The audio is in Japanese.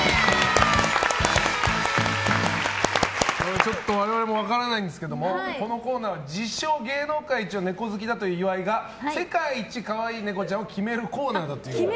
ちょっと我々も分からないんですけどもこのコーナー自称芸能界一のネコ好きだという岩井が世界一かわいいネコちゃんを決めるコーナーだという。